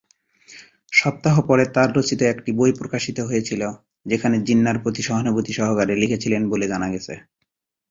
সপ্তাহ পরে, তাঁর রচিত একটি বই প্রকাশিত হয়েছিল, যেখানে তিনি জিন্নাহর প্রতি সহানুভূতি সহকারে লিখেছিলেন বলে জানা গেছে।